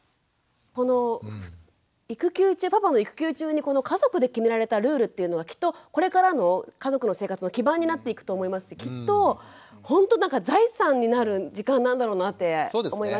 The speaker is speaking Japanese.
このパパの育休中に家族で決められたルールというのはきっとこれからの家族の生活の基盤になっていくと思いますしきっとほんと財産になる時間なんだろうなって思いましたね。